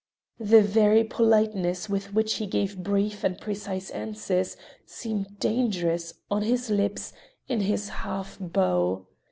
The very politeness with which he gave brief and precise answers seemed dangerous, on his lips, in his half bow.